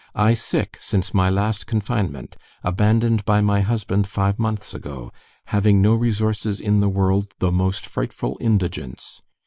I sick since my last confinement, abandoned by my husband five months ago, haveing no resources in the world the most frightful indigance.